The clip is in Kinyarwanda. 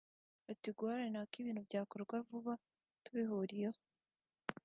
Ati “Guharanira ko ibintu bikorwa vuba tubihuriyeho